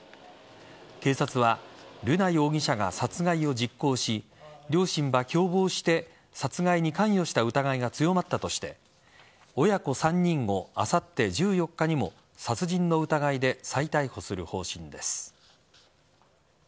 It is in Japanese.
警察は瑠奈容疑者が殺害を実行し両親は共謀して殺害に関与した疑いが強まったとして親子３人をあさって１４日にも殺人の疑いで再逮捕する方針です。